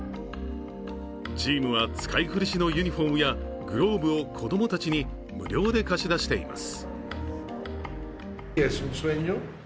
チームは使い古しのユニフォームやグローブを子供たちに無料で貸し出しています。